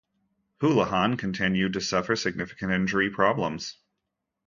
Houlihan continued to suffer significant injury problems.